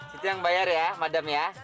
hah situ yang bayar ya madam ya